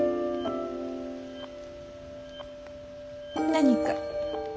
何か？